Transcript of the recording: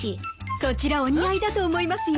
そちらお似合いだと思いますよ。